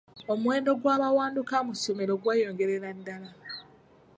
Omuwendo gw'abawanduka mu ssomero gweyongerera ddala.